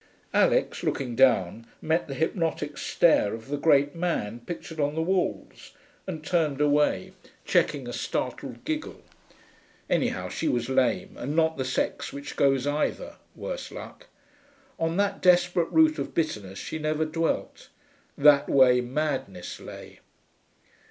Alix, looking down, met the hypnotic stare of the Great Man pictured on the walls, and turned away, checking a startled giggle. Anyhow she was lame, and not the sex which goes either, worse luck. (On that desperate root of bitterness she never dwelt: that way madness lay.)